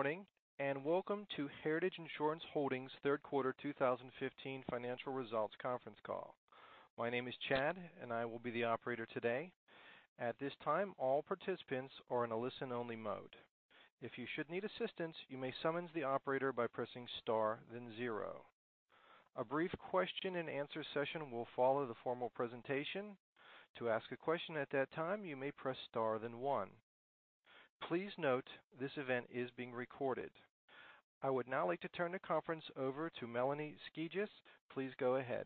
Good morning, welcome to Heritage Insurance Holdings' third quarter 2015 financial results conference call. My name is Chad, I will be the operator today. At this time, all participants are in a listen-only mode. If you should need assistance, you may summon the operator by pressing star then zero. A brief question and answer session will follow the formal presentation. To ask a question at that time, you may press star then one. Please note, this event is being recorded. I would now like to turn the conference over to Melanie Skeges. Please go ahead.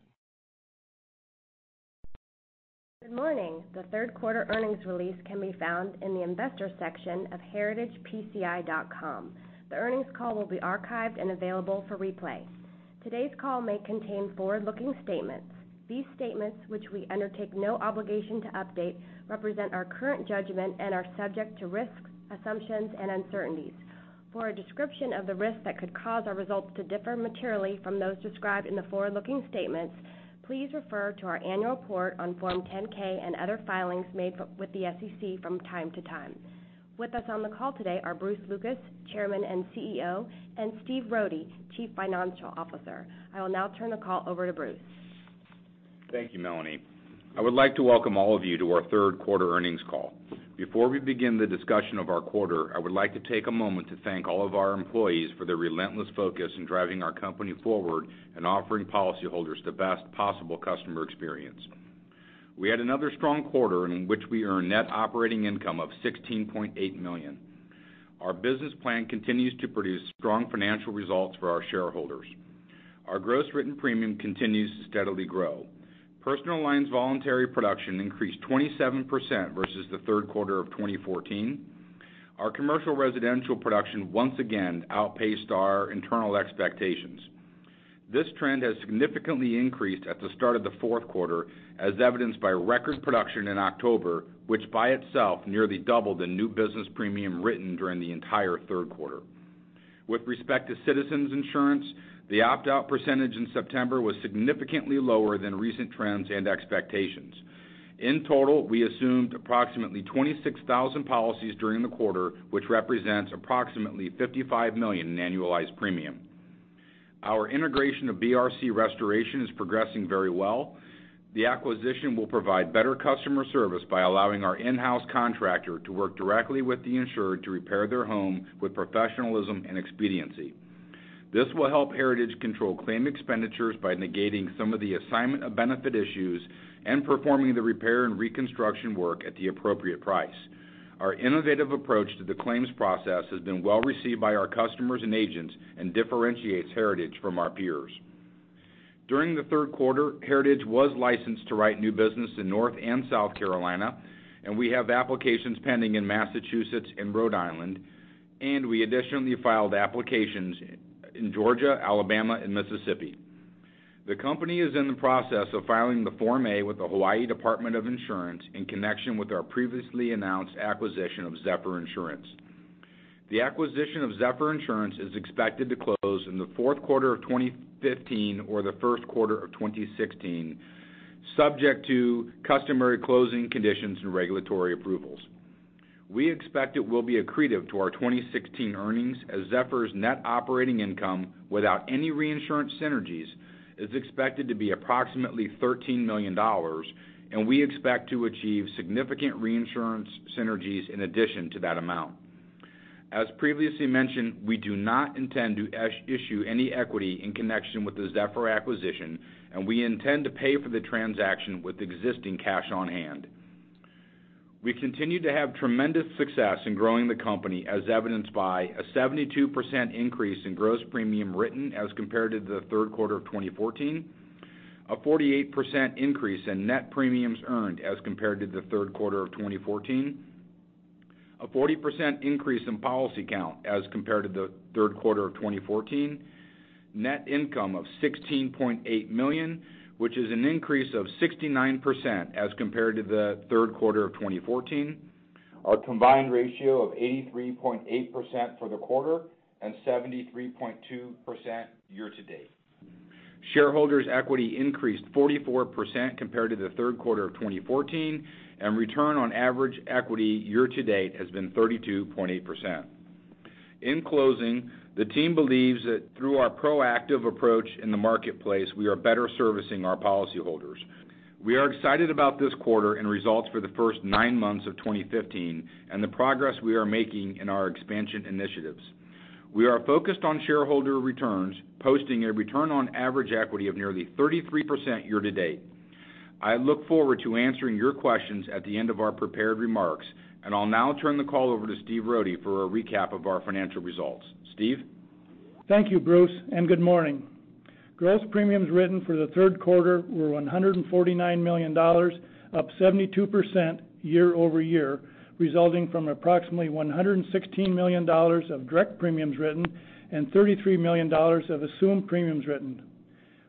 Good morning. The third quarter earnings release can be found in the Investors section of heritagepci.com. The earnings call will be archived and available for replay. Today's call may contain forward-looking statements. These statements, which we undertake no obligation to update, represent our current judgment and are subject to risks, assumptions, and uncertainties. For a description of the risks that could cause our results to differ materially from those described in the forward-looking statements, please refer to our annual report on Form 10-K and other filings made with the SEC from time to time. With us on the call today are Bruce Lucas, Chairman and CEO, and Steve Rohde, Chief Financial Officer. I will now turn the call over to Bruce. Thank you, Melanie. I would like to welcome all of you to our third quarter earnings call. Before we begin the discussion of our quarter, I would like to take a moment to thank all of our employees for their relentless focus in driving our company forward and offering policyholders the best possible customer experience. We had another strong quarter in which we earned net operating income of $16.8 million. Our business plan continues to produce strong financial results for our shareholders. Our gross written premium continues to steadily grow. Personal lines voluntary production increased 27% versus the third quarter of 2014. Our commercial residential production once again outpaced our internal expectations. This trend has significantly increased at the start of the fourth quarter, as evidenced by record production in October, which by itself nearly doubled the new business premium written during the entire third quarter. With respect to Citizens Insurance, the opt-out percentage in September was significantly lower than recent trends and expectations. In total, we assumed approximately 26,000 policies during the quarter, which represents approximately $55 million in annualized premium. Our integration of BRC Restoration is progressing very well. The acquisition will provide better customer service by allowing our in-house contractor to work directly with the insured to repair their home with professionalism and expediency. This will help Heritage control claim expenditures by negating some of the Assignment of Benefits issues and performing the repair and reconstruction work at the appropriate price. Our innovative approach to the claims process has been well-received by our customers and agents and differentiates Heritage from our peers. During the third quarter, Heritage was licensed to write new business in North and South Carolina. We have applications pending in Massachusetts and Rhode Island. We additionally filed applications in Georgia, Alabama, and Mississippi. The company is in the process of filing the Form A with the Hawaii Insurance Division in connection with our previously announced acquisition of Zephyr Insurance. The acquisition of Zephyr Insurance is expected to close in the fourth quarter of 2015 or the first quarter of 2016, subject to customary closing conditions and regulatory approvals. We expect it will be accretive to our 2016 earnings as Zephyr's net operating income without any reinsurance synergies is expected to be approximately $13 million. We expect to achieve significant reinsurance synergies in addition to that amount. As previously mentioned, we do not intend to issue any equity in connection with the Zephyr acquisition. We intend to pay for the transaction with existing cash on hand. We continue to have tremendous success in growing the company, as evidenced by a 72% increase in gross premium written as compared to the third quarter of 2014, a 48% increase in net premiums earned as compared to the third quarter of 2014, a 40% increase in policy count as compared to the third quarter of 2014, net income of $16.8 million, which is an increase of 69% as compared to the third quarter of 2014, a combined ratio of 83.8% for the quarter and 73.2% year-to-date. Shareholders' equity increased 44% compared to the third quarter of 2014. Return on average equity year-to-date has been 32.8%. In closing, the team believes that through our proactive approach in the marketplace, we are better servicing our policyholders. We are excited about this quarter and results for the first nine months of 2015 and the progress we are making in our expansion initiatives. We are focused on shareholder returns, posting a return on average equity of nearly 33% year-to-date. I look forward to answering your questions at the end of our prepared remarks. I'll now turn the call over to Steve Rohde for a recap of our financial results. Steve? Thank you, Bruce, and good morning. Gross premiums written for the third quarter were $149 million, up 72% year-over-year, resulting from approximately $116 million of direct premiums written and $33 million of assumed premiums written.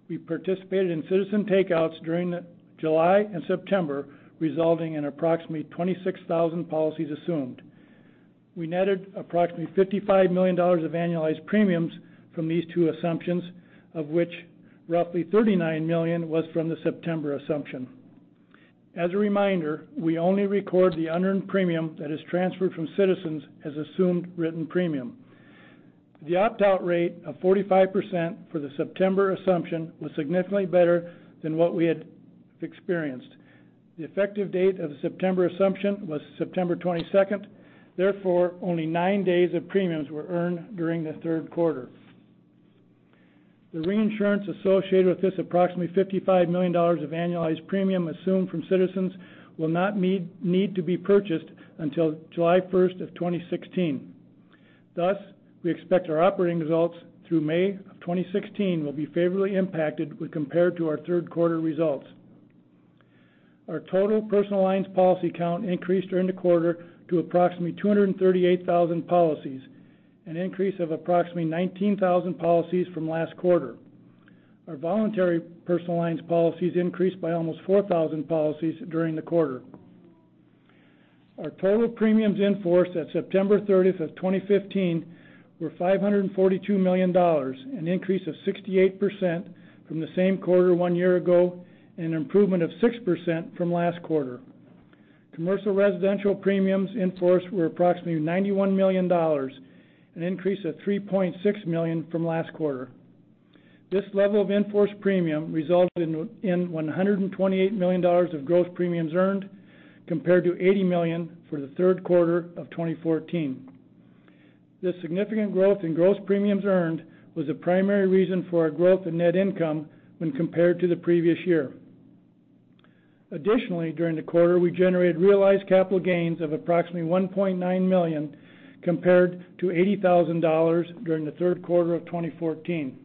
We participated in Citizens takeouts during July and September, resulting in approximately 26,000 policies assumed. We netted approximately $55 million of annualized premiums from these two assumptions, of which roughly $39 million was from the September assumption. As a reminder, we only record the unearned premium that is transferred from Citizens as assumed written premium. The opt-out rate of 45% for the September assumption was significantly better than what we had experienced. The effective date of the September assumption was September 22nd. Therefore, only nine days of premiums were earned during the third quarter. The reinsurance associated with this approximately $55 million of annualized premium assumed from Citizens will not need to be purchased until July 1, 2016. Thus, we expect our operating results through May 2016 will be favorably impacted when compared to our third quarter results. Our total personal lines policy count increased during the quarter to approximately 238,000 policies, an increase of approximately 19,000 policies from last quarter. Our voluntary personal lines policies increased by almost 4,000 policies during the quarter. Our total premiums in force at September 30, 2015 were $542 million, an increase of 68% from the same quarter one year ago, and an improvement of 6% from last quarter. Commercial residential premiums in force were approximately $91 million, an increase of $3.6 million from last quarter. This level of in-force premium resulted in $128 million of gross premiums earned, compared to $80 million for the third quarter of 2014. This significant growth in gross premiums earned was a primary reason for our growth in net income when compared to the previous year. Additionally, during the quarter, we generated realized capital gains of approximately $1.9 million, compared to $80,000 during the third quarter of 2014.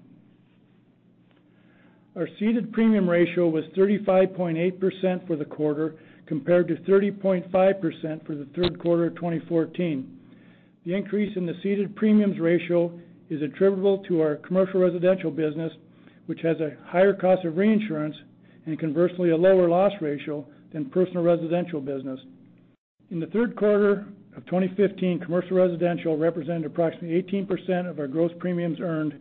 Our ceded premium ratio was 35.8% for the quarter, compared to 30.5% for the third quarter of 2014. The increase in the ceded premium ratio is attributable to our commercial residential business, which has a higher cost of reinsurance and conversely a lower loss ratio than personal residential business. In the third quarter of 2015, commercial residential represented approximately 18% of our gross premiums earned,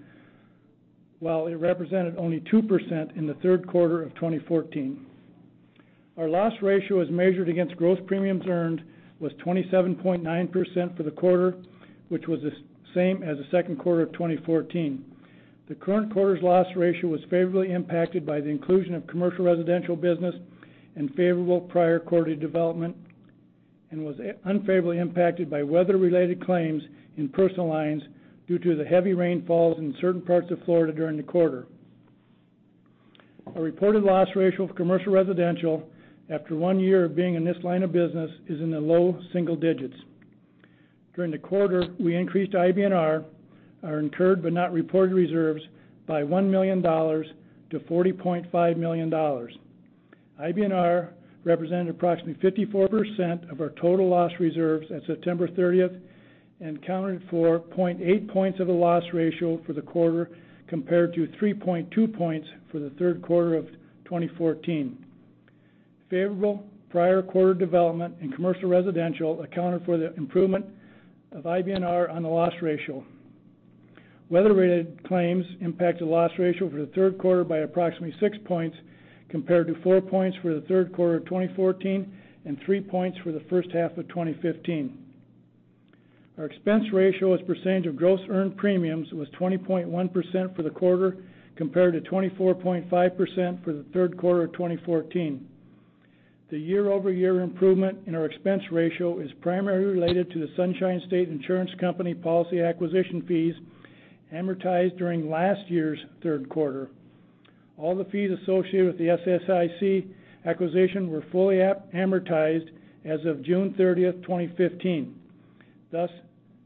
while it represented only 2% in the third quarter of 2014. Our loss ratio as measured against gross premiums earned was 27.9% for the quarter, which was the same as the second quarter of 2014. The current quarter's loss ratio was favorably impacted by the inclusion of commercial residential business and favorable prior quarter development and was unfavorably impacted by weather-related claims in personal lines due to the heavy rainfalls in certain parts of Florida during the quarter. Our reported loss ratio for commercial residential, after one year of being in this line of business, is in the low single digits. During the quarter, we increased IBNR, our incurred but not reported reserves, by $1 million to $40.5 million. IBNR represented approximately 54% of our total loss reserves at September 30 and accounted for 0.8 points of the loss ratio for the quarter, compared to 3.2 points for the third quarter of 2014. Favorable prior quarter development in commercial residential accounted for the improvement of IBNR on the loss ratio. Weather-related claims impacted loss ratio for the third quarter by approximately six points, compared to four points for the third quarter of 2014 and three points for the first half of 2015. Our expense ratio as a percentage of gross earned premiums was 20.1% for the quarter, compared to 24.5% for the third quarter of 2014. The year-over-year improvement in our expense ratio is primarily related to the Sunshine State Insurance Company policy acquisition fees amortized during last year's third quarter. All the fees associated with the SSIC acquisition were fully amortized as of June 30, 2015, thus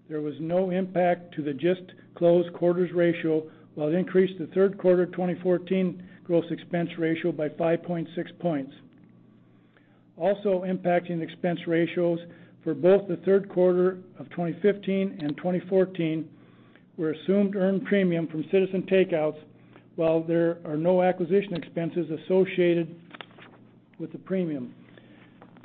there was no impact to the just-closed quarter's ratio, while it increased the third quarter 2014 gross expense ratio by 5.6 points. Also impacting expense ratios for both the third quarter of 2015 and 2014 were assumed earned premium from Citizens takeouts while there are no acquisition expenses associated with the premium.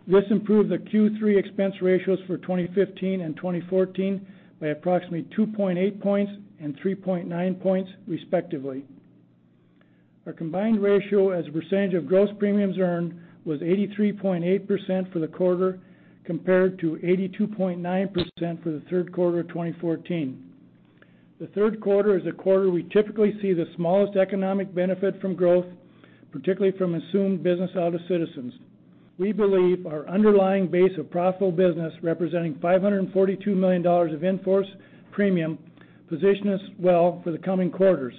This improved the Q3 expense ratios for 2015 and 2014 by approximately 2.8 points and 3.9 points, respectively. Our combined ratio as a percentage of gross premiums earned was 83.8% for the quarter, compared to 82.9% for the third quarter of 2014. The third quarter is a quarter we typically see the smallest economic benefit from growth, particularly from assumed business out of Citizens. We believe our underlying base of profitable business, representing $542 million of in-force premium, positions us well for the coming quarters,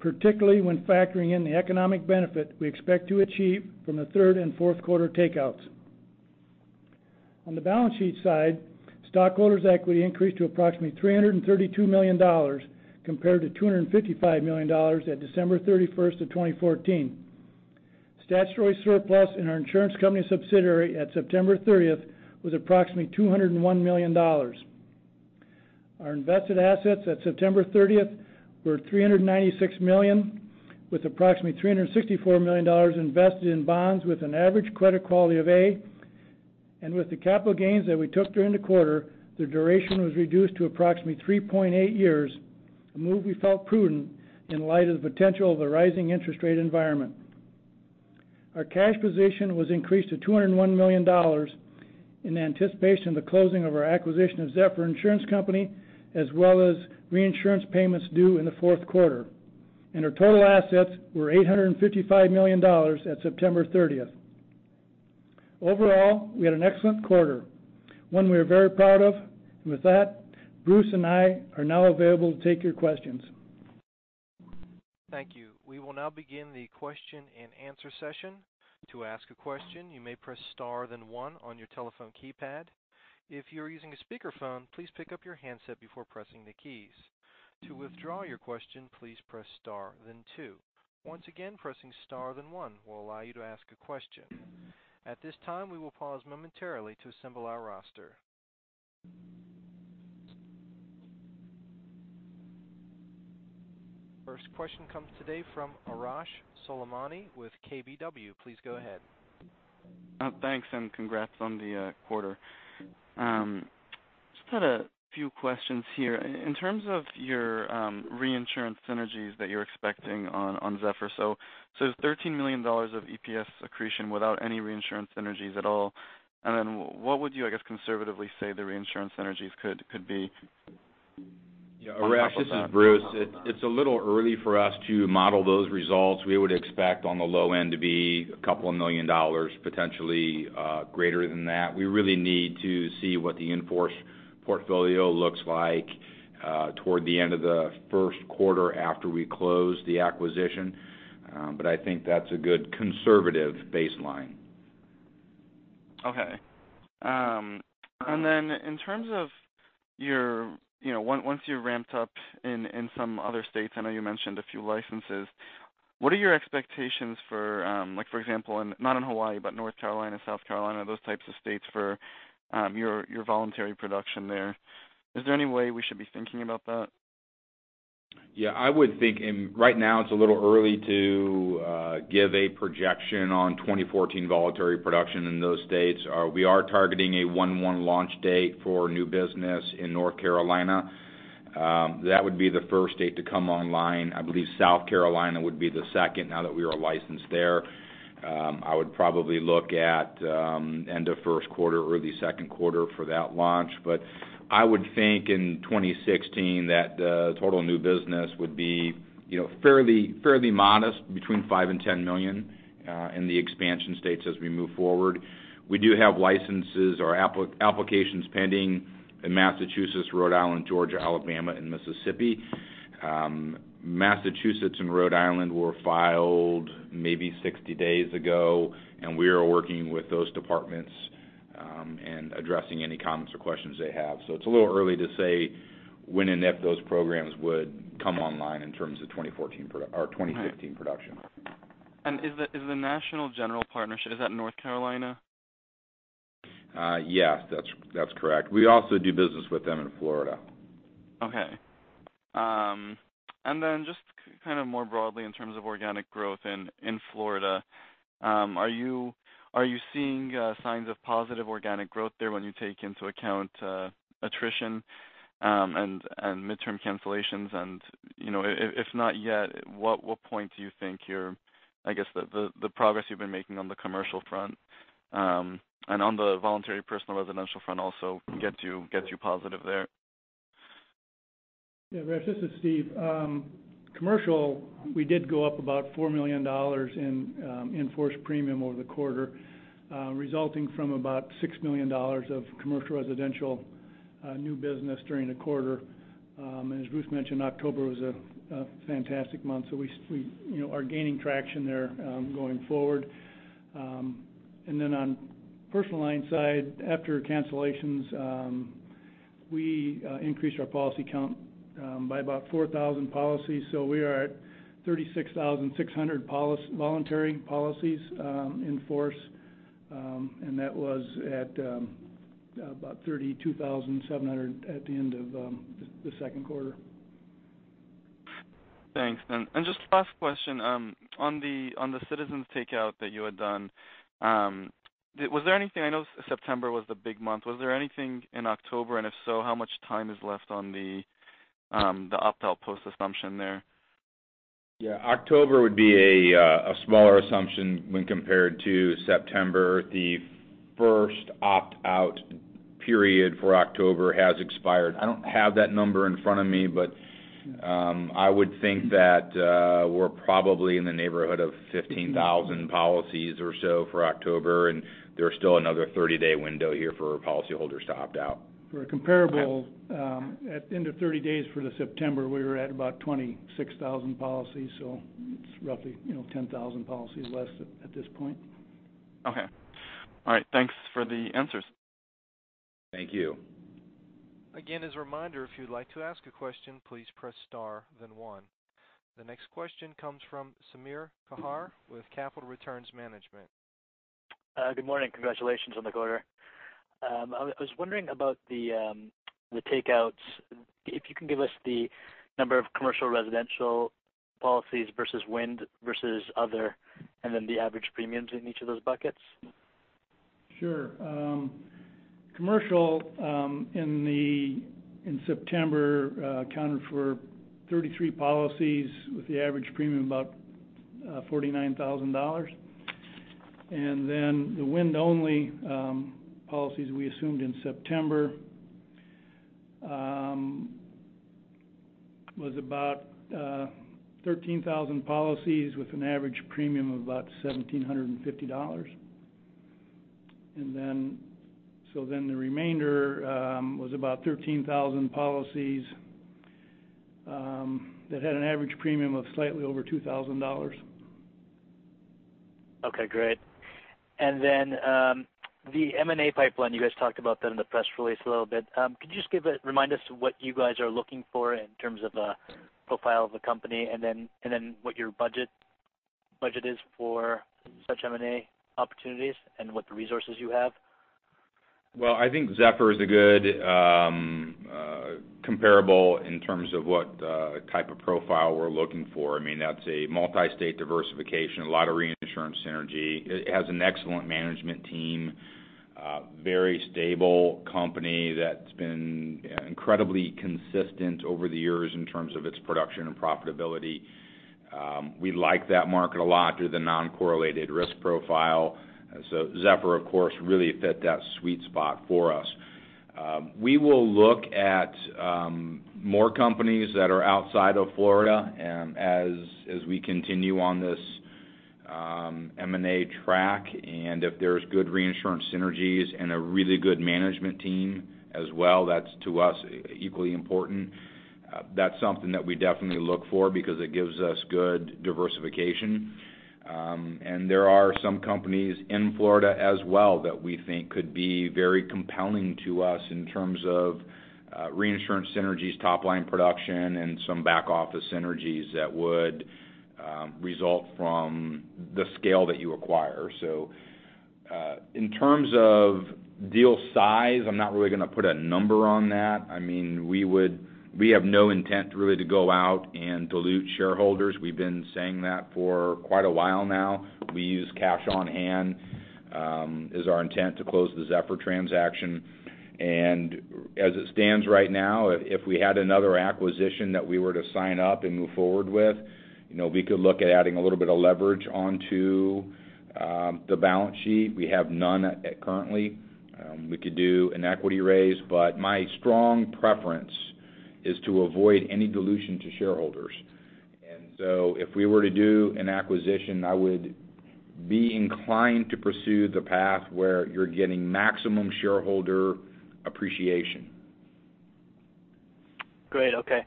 particularly when factoring in the economic benefit we expect to achieve from the third and fourth quarter takeouts. On the balance sheet side, stockholders' equity increased to approximately $332 million, compared to $255 million at December 31st of 2014. Statutory surplus in our insurance company subsidiary at September 30th was approximately $201 million. Our invested assets at September 30th were $396 million, with approximately $364 million invested in bonds with an average credit quality of A. With the capital gains that we took during the quarter, the duration was reduced to approximately 3.8 years, a move we felt prudent in light of the potential of the rising interest rate environment. Our cash position was increased to $201 million in anticipation of the closing of our acquisition of Zephyr Insurance Company, as well as reinsurance payments due in the fourth quarter. Our total assets were $855 million at September 30th. Overall, we had an excellent quarter, one we are very proud of. With that, Bruce and I are now available to take your questions. Thank you. We will now begin the question and answer session. To ask a question, you may press star then one on your telephone keypad. If you're using a speakerphone, please pick up your handset before pressing the keys. To withdraw your question, please press star, then two. Once again, pressing star than one will allow you to ask a question. At this time, we will pause momentarily to assemble our roster. First question comes today from Arash Soleimani with KBW. Please go ahead. Thanks, and congrats on the quarter. Just had a few questions here. In terms of your reinsurance synergies that you're expecting on Zephyr. There's $13 million of EPS accretion without any reinsurance synergies at all. What would you, I guess, conservatively say the reinsurance synergies could be on top of that? Yeah, Arash, this is Bruce. It's a little early for us to model those results. We would expect on the low end to be a couple of million dollars, potentially greater than that. We really need to see what the in-force portfolio looks like toward the end of the first quarter after we close the acquisition. I think that's a good conservative baseline. Okay. In terms of once you ramped up in some other states, I know you mentioned a few licenses, what are your expectations for example, not in Hawaii, but North Carolina, South Carolina, those types of states for your voluntary production there? Is there any way we should be thinking about that? Yeah, I would think right now it's a little early to give a projection on 2014 voluntary production in those states. We are targeting a 1/1 launch date for new business in North Carolina. That would be the first state to come online. I believe South Carolina would be the second now that we are licensed there. I would probably look at end of first quarter, early second quarter for that launch. I would think in 2016 that the total new business would be fairly modest, between $5 million and $10 million in the expansion states as we move forward. We do have licenses or applications pending in Massachusetts, Rhode Island, Georgia, Alabama, and Mississippi. Massachusetts and Rhode Island were filed maybe 60 days ago, and we are working with those departments and addressing any comments or questions they have. It's a little early to say when and if those programs would come online in terms of 2014. Right 2015 production. Is the National General partnership, is that North Carolina? Yes. That's correct. We also do business with them in Florida. Then just more broadly, in terms of organic growth in Florida, are you seeing signs of positive organic growth there when you take into account attrition and midterm cancellations and, if not yet, what point do you think the progress you've been making on the commercial front, and on the voluntary personal residential front also gets you positive there? Yeah, Arash, this is Steve. Commercial, we did go up about $4 million in-forced premium over the quarter, resulting from about $6 million of commercial residential new business during the quarter. As Bruce mentioned, October was a fantastic month, so we are gaining traction there going forward. Then on personal line side, after cancellations, we increased our policy count by about 4,000 policies. We are at 36,600 voluntary policies in force, and that was at about 32,700 at the end of the second quarter. Thanks. Just last question, on the Citizens takeout that you had done, I know September was the big month, was there anything in October? If so, how much time is left on the opt-out post assumption there? Yeah. October would be a smaller assumption when compared to September. The first opt-out period for October has expired. I don't have that number in front of me, but I would think that we're probably in the neighborhood of 15,000 policies or so for October, and there's still another 30-day window here for policyholders to opt out. For a comparable- Okay at the end of 30 days for the September, we were at about 26,000 policies. It's roughly 10,000 policies less at this point. Okay. All right. Thanks for the answers. Thank you. Again, as a reminder, if you'd like to ask a question, please press star, then one. The next question comes from Samir Kapadia with Capital Returns Management. Good morning. Congratulations on the quarter. I was wondering about the takeouts, if you can give us the number of commercial residential policies versus wind versus other, and then the average premiums in each of those buckets. Sure. Commercial in September accounted for 33 policies with the average premium about $49,000. The wind-only policies we assumed in September was about 13,000 policies with an average premium of about $1,750. The remainder was about 13,000 policies that had an average premium of slightly over $2,000. Okay, great. The M&A pipeline, you guys talked about that in the press release a little bit. Could you just remind us what you guys are looking for in terms of the profile of the company, and then what your budget is for such M&A opportunities and what the resources you have? Well, I think Zephyr is a good comparable in terms of what type of profile we're looking for. That's a multi-state diversification, a lot of reinsurance synergy. It has an excellent management team, very stable company that's been incredibly consistent over the years in terms of its production and profitability. We like that market a lot due to the non-correlated risk profile. Zephyr, of course, really fit that sweet spot for us. We will look at more companies that are outside of Florida as we continue on this M&A track. If there's good reinsurance synergies and a really good management team as well, that's, to us, equally important. That's something that we definitely look for because it gives us good diversification. There are some companies in Florida as well that we think could be very compelling to us in terms of reinsurance synergies, top-line production, and some back-office synergies that would result from the scale that you acquire. In terms of deal size, I'm not really going to put a number on that. We have no intent really to go out and dilute shareholders. We've been saying that for quite a while now. We use cash on hand, is our intent to close the Zephyr transaction. As it stands right now, if we had another acquisition that we were to sign up and move forward with, we could look at adding a little bit of leverage onto the balance sheet. We have none currently. We could do an equity raise, but my strong preference is to avoid any dilution to shareholders. If we were to do an acquisition, I would be inclined to pursue the path where you're getting maximum shareholder appreciation. Great. Okay.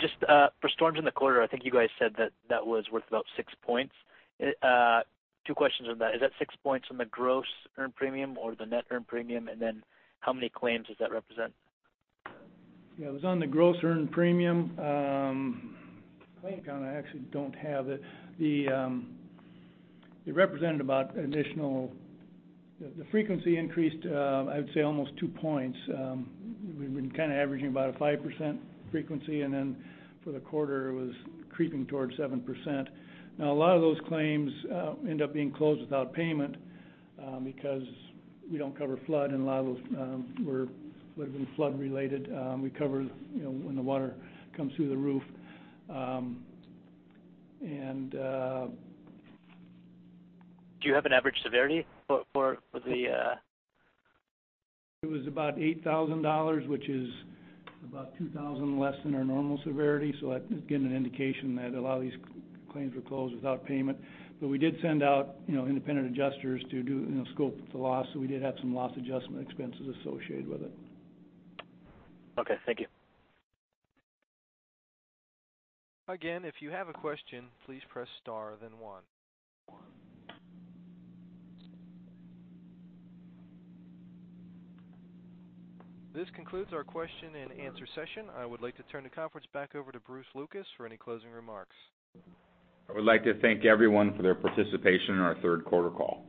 Just for storms in the quarter, I think you guys said that that was worth about six points. Two questions on that. Is that six points on the gross earned premium or the net earned premium? How many claims does that represent? Yeah, it was on the gross earned premium. Claim count, I actually don't have it. It represented about the frequency increased, I would say almost 2 points. We've been kind of averaging about a 5% frequency, and then for the quarter, it was creeping towards 7%. A lot of those claims end up being closed without payment because we don't cover flood, and a lot of those would've been flood related. We cover when the water comes through the roof. Do you have an average severity? It was about $8,000, which is about $2,000 less than our normal severity. That is giving an indication that a lot of these claims were closed without payment. We did send out independent adjusters to do scope the loss, so we did have some loss adjustment expenses associated with it. Okay, thank you. Again, if you have a question, please press star then one. This concludes our question and answer session. I would like to turn the conference back over to Bruce Lucas for any closing remarks. I would like to thank everyone for their participation in our third quarter call.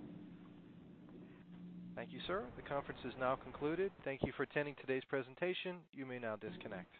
Thank you, sir. The conference is now concluded. Thank you for attending today's presentation. You may now disconnect.